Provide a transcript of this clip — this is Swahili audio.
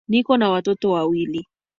Niko na watoto wawili